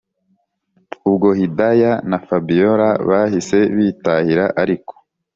ubwo hidaya na fabiora bahise bitahira ariko